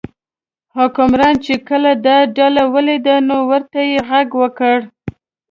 حکمران چې کله دا ډله ولیده نو ورته یې غږ وکړ.